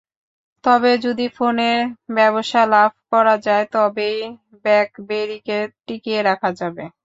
তবে যদি ফোনের ব্যবসা লাভ করা যায় তবেই ব্ল্যাকবেরিকে টিকিয়ে রাখা যাবে।